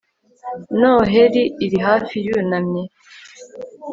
noheri iri hafi yunamye